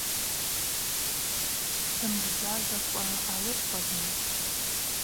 Дымгвжважвакӏва ауыхуазма.